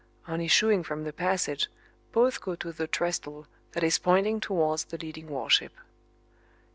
On issuing from the passage both go to the trestle that is pointing towards the leading warship.